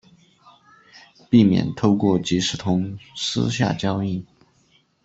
避免透过即时通私下交易